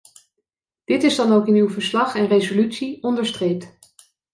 Dit is dan ook in uw verslag en resolutie onderstreept.